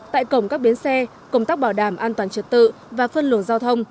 tại cổng các biến xe công tác bảo đảm an toàn trật tự và phân luồng giao thông